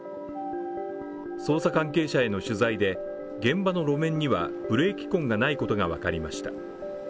捜査関係者への取材で、現場の路面にはブレーキ痕がないことがわかりました。